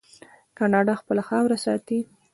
کاناډا خپله خاوره ساتي.